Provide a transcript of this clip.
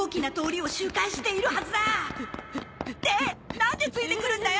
なんでついて来るんだよ！